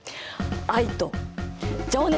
愛と情熱。